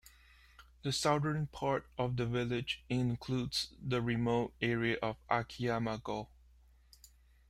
The southern part of the village includes the remote area of Akiyama-go.